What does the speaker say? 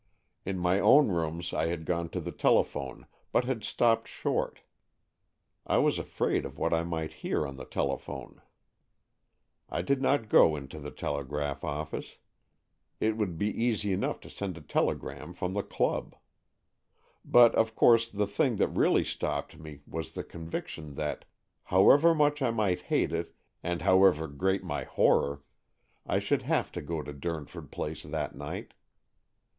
In my own rooms I had gone to the tele phone, but had stopped short; I was afraid of what I might hear on the telephone. I did not go into the telegraph office. It would be easy enough to send a telegram from the club. But of course the thing that really stopped me was the conviction that, however much I might hate it and however great my horror, I should have to go to Durn AN EXCHANGE OF SOULS 177 ford Place that night.